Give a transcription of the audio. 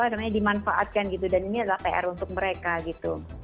namanya dimanfaatkan gitu dan ini adalah pr untuk mereka gitu